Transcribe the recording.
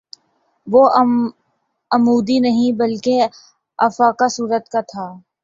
وہ عمودی نہیں بلکہ افقی صورت کا تھا